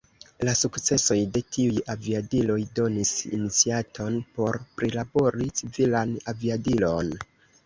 La sukcesoj de tiuj aviadiloj donis iniciaton por prilabori civilan aviadilon.